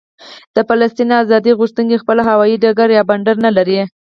د فلسطین ازادي غوښتونکي خپل هوايي ډګر یا بندر نه لري.